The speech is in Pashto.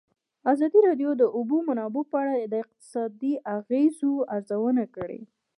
ازادي راډیو د د اوبو منابع په اړه د اقتصادي اغېزو ارزونه کړې.